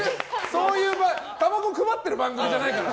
そういうたばこ配ってる番組じゃないから。